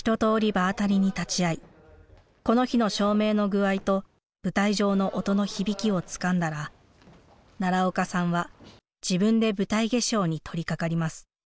場当たりに立ち会いこの日の照明の具合と舞台上の音の響きをつかんだら奈良岡さんは自分で舞台化粧に取りかかります。